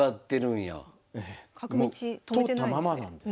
もう通ったままなんですね。